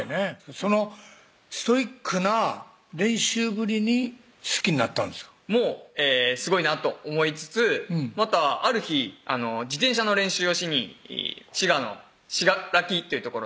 そのストイックな練習ぶりに好きになったんですか？もすごいなと思いつつまたある日自転車の練習をしに滋賀の信楽という所に向かってたんです